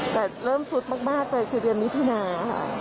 แต่เริ่มสุดมากเลยคือเดือนมิถุนา